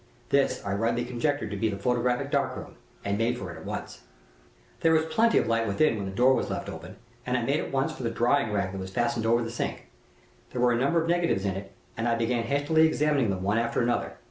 This I rightly conjectured to be the photographic dark room, and made for it at once. "There was plenty of light within when the door was left open, and I made at once for the drying rack that was fastened over the sink. There were a number of negatives in it, and I began hastily examining them one after another.